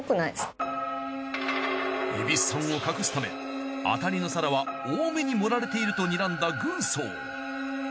蛭子さんを隠すため当たりの皿は多めに盛られているとにらんだ軍曹。